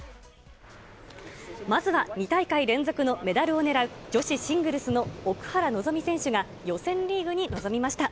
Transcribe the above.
まずは、２大会連続のメダルを狙う女子シングルスの奥原希望選手が予選リーグに臨みました。